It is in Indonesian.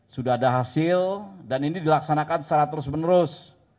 sudah ada hasil dan ini dilaksanakan secara terus menerus